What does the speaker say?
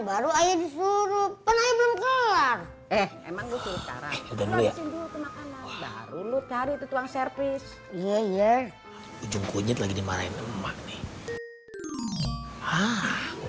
baru ayo disuruh eh emang lu cari itu tuang servis iya ujung kunyit lagi dimarahin emak nih